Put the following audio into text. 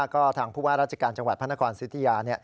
ก็ทางผู้ว่าราชการจังหวัดพนักรณ์ซิธิยา